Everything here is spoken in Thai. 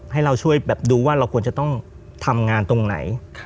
ให้เราช่วยแบบดูว่าเราควรจะต้องทำงานตรงไหน